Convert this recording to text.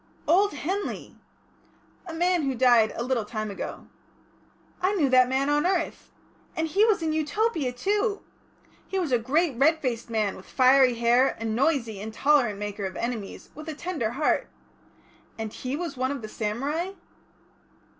"Old Henley!" "A man who died a little time ago." "I knew that man on earth. And he was in Utopia, too! He was a great red faced man, with fiery hair, a noisy, intolerant maker of enemies, with a tender heart and he was one of the samurai?"